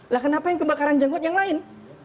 lah kenapa yang kebakaran jenggot yang lain